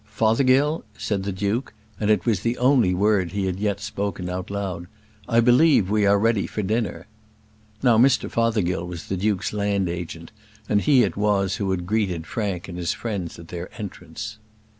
"Fothergill," said the duke and it was the only word he had yet spoken out loud "I believe we are ready for dinner." Now Mr Fothergill was the duke's land agent, and he it was who had greeted Frank and his friends at their entrance.